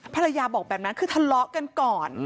ภรรยาบอกแบบนั้นคือทะเลาะกันก่อน